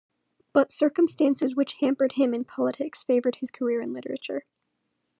But circumstances which hampered him in politics favoured his career in literature.